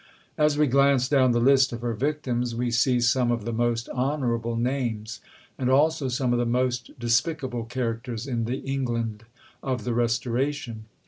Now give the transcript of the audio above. As we glance down the list of her victims, we see some of the most honourable names, and also some of the most despicable characters in the England of the Restoration.